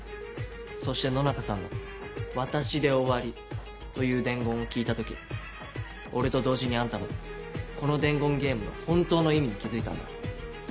そして野中さんの「私で終わり」という伝言を聞いた時俺と同時にあんたもこの伝言ゲームの本当の意味に気付いたんだ。